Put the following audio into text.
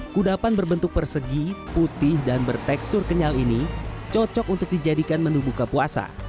kudapan berbentuk persegi putih dan bertekstur kenyal ini cocok untuk dijadikan menu buka puasa